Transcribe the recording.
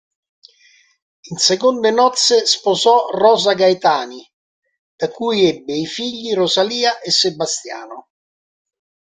In seconde nozze sposò Rosa Gaetani, da cui ebbe i figli Rosalia e Sebastiano.